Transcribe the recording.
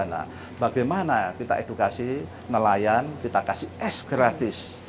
nah bagaimana kita edukasi nelayan kita kasih es gratis